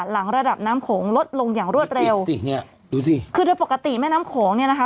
หลังระดับน้ำโขงลดลงอย่างรวดเร็วสิเนี่ยดูสิคือโดยปกติแม่น้ำโขงเนี่ยนะคะ